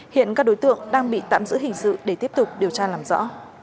hiện các đối tượng đang bị tạm giữ hình sự để tiếp tục điều tra làm rõ